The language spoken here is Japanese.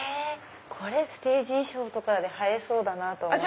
これステージ衣装とかで映えそうだなと思って。